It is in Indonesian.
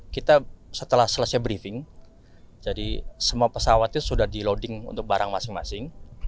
kita setelah selesai briefing jadi semua pesawat itu sudah di loading untuk barang masing masing